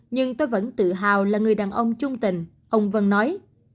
nhưng tôi vẫn tự hào là người đàn ông trung tình ông vân nói